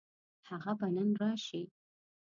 هغه به نن راشي.